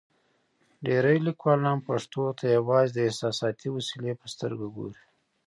ډېری لیکوالان پښتو ته یوازې د احساساتي وسیلې په سترګه ګوري.